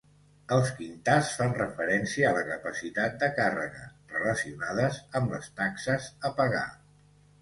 Els quintars fan referència a la capacitat de càrrega, relacionada amb les taxes a pagar.